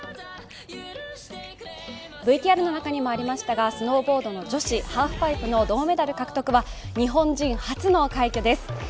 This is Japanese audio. ＶＴＲの中にもありましたが、スノーボードの女子ハーフパイプの銅メダル獲得は日本人初の快挙です。